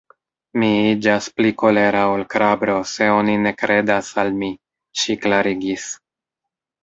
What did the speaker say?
Mi iĝas pli kolera ol krabro, se oni ne kredas al mi, ŝi klarigis.